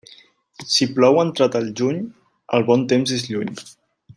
Si plou entrat el juny, el bon temps és lluny.